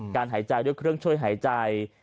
หายใจด้วยเครื่องช่วยหายใจ